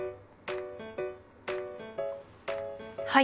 はい。